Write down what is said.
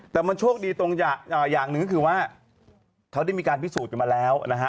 แต่มันโชคดีตรงอย่างหนึ่งก็คือว่าเขาได้มีการพิสูจน์กันมาแล้วนะฮะ